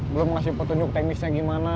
belum ngasih petunjuk teknisnya gimana